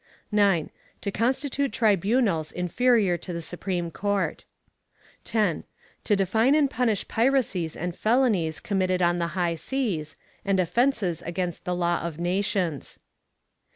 9. To constitute tribunals inferior to the Supreme Court. 10. To define and punish piracies and felonies committed on the high seas, and offenses against the law of nations.